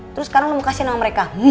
terus sekarang lu mau kasihan sama mereka